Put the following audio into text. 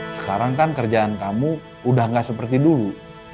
sekarang kan kerjaan kamu udah gak seperti dulu